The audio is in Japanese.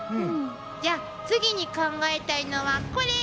じゃあ次に考えたいのはこれ！